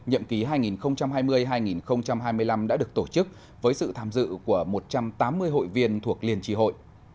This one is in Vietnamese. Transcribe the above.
nhậm ký hai nghìn hai mươi hai nghìn hai mươi năm đã được tổ chức với sự tham dự của một trăm tám mươi hội viên thuộc liên tri hội